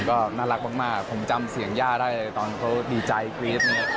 ก็น่ารักมากผมจำเสียงย่าได้ตอนเขาดีใจกรี๊ดเนี่ย